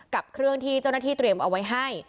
กับเครื่องที่เจ้าหน้าที่เตรียมเอาไว้ให้